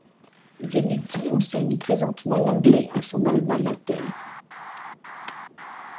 Venuti enseigne présentement l'anglais à son alma mater.